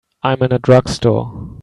I'm in a drugstore.